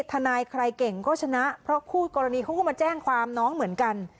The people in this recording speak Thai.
ทนายใครเก่งก็ชนะเพราะคู่กรณีเขาก็มาแจ้งความน้องเหมือนกัน